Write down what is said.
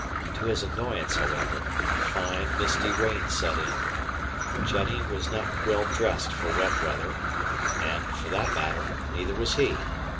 To his annoyance, however, a fine, misty rain set in. Jennie was not well dressed for wet weather; and, for that matter, neither was he.